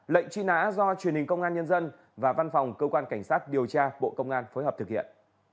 lệnh truy nã do truyền hình công an nhân dân và văn phòng cơ quan cảnh sát điều tra bộ công an phối hợp thực hiện